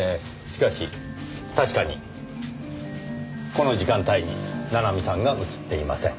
しかし確かにこの時間帯に七海さんが写っていません。